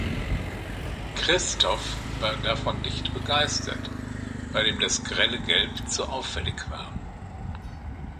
Christophe war davon nicht begeistert, weil ihm das grelle Gelb zu auffällig war.